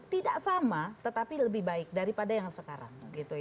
tidak sama tetapi lebih baik daripada yang sekarang